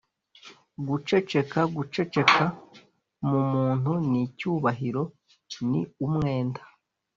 guceceka: guceceka mu muntu ni icyubahiro, ni umwenda